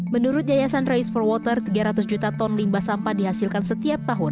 menurut yayasan race for water tiga ratus juta ton limbah sampah dihasilkan setiap tahun